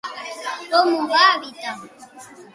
Com ho va evitar?